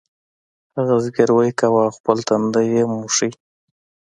هغه زګیروی کاوه او خپل تندی یې مښه